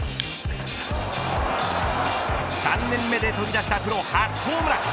３年目で飛び出したプロ初ホームラン